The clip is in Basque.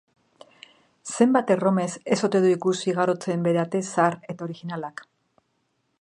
Zenbat erromes ez ote du ikusi igarotzen bere ate zahar eta originalak.